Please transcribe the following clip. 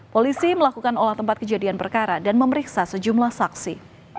polisi melakukan olah tempat kejadian perkara dan memeriksa sejumlah saksi